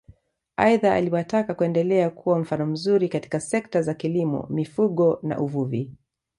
Aidha aliwataka kuendelea kuwa mfano mzuri katika sekta za kilimo mifugo na uvuvi